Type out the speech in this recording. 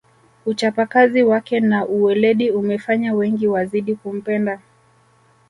uchapakazi wake na uweledi umefanya wengi wazidi kumpenda